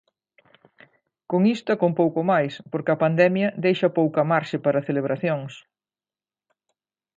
Con isto e con pouco máis porque a pandemia deixa pouca marxe para celebracións.